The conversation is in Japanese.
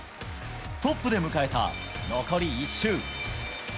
トップで迎えた残り１周。